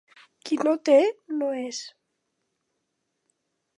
Qui no té, no és.